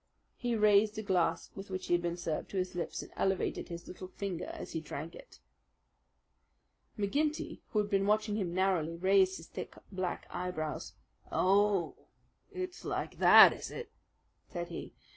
He raised a glass with which he had been served to his lips and elevated his little finger as he drank it. McGinty, who had been watching him narrowly, raised his thick black eyebrows. "Oh, it's like that, is it?" said he.